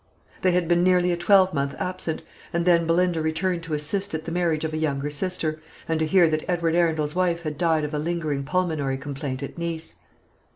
They had been nearly a twelvemonth absent, and then Belinda returned to assist at the marriage of a younger sister, and to hear that Edward Arundel's wife had died of a lingering pulmonary complaint at Nice.